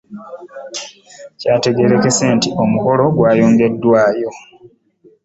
Kyategeerekese nti omukolo gwayongeddwaayo.